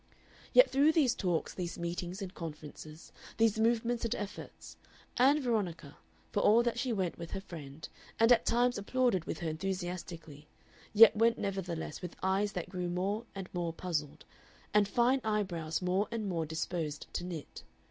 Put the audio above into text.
Yet through these talks, these meetings and conferences, these movements and efforts, Ann Veronica, for all that she went with her friend, and at times applauded with her enthusiastically, yet went nevertheless with eyes that grew more and more puzzled, and fine eyebrows more and more disposed to knit.